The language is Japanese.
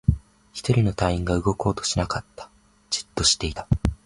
一人の隊員が動こうとしなかった。じっとしていた。